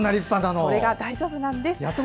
それが、大丈夫なんです。